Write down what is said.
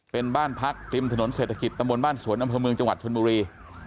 เป็นบ้านพักริมถนนเศรษฐกิจตำบลบ้านสวนอำเภอเมืองจังหวัดชนบุรี